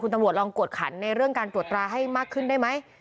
ตำรวจลองกวดขันในเรื่องการตรวจตราให้มากขึ้นได้ไหม